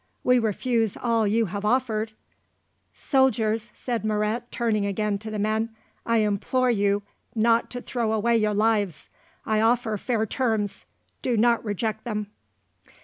"We refuse all you have offered." "Soldiers," said Moret turning again to the men, "I implore you not to throw away your lives. I offer fair terms; do not reject them."